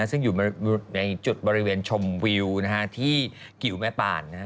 ซึ่งอยู่ในจุดบริเวณชมวิวที่กิวแม่ป่าน